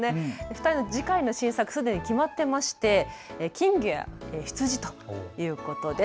２人の次回の新作、すでに決まっていまして金魚や羊ということです。